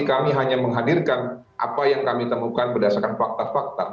kami hanya menghadirkan apa yang kami temukan berdasarkan fakta fakta